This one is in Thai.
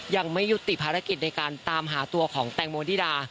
ยังไม่ยุติภารกิจในการตามหาตัวของแตงโมนิดา